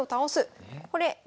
これ「○○」